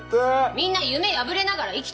みんな夢破れながら生きてんだよ。